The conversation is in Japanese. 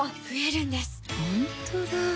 ほんとだ